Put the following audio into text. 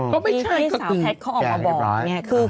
ก็ไม่ใช่สาวแพทย์ก็ออกมาบอกเนี่ย